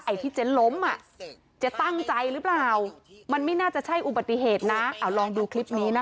ที่เจ๊ล้มอ่ะเจ๊ตั้งใจหรือเปล่ามันไม่น่าจะใช่อุบัติเหตุนะเอาลองดูคลิปนี้นะคะ